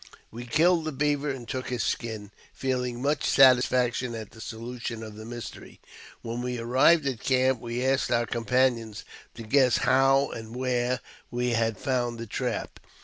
We killed the beaver and took his skin, feeling much satis faction at the solution of the mystery. When we arrived at camp we asked our companions to guess how and where we had found the trap.